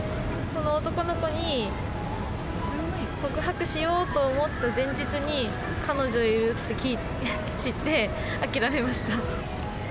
その男の子に告白しようと思った前日に、彼女いるって知って、諦めました。